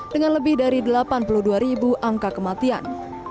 dengan lebih dari delapan puluh dua ribu angka kematian